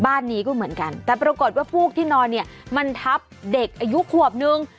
บ้านนี้ก็เหมือนกันแต่ปรากฏว่าพวกที่นอนเนี่ยมันทับเด็กอายุขวบนึง